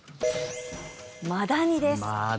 マダニです。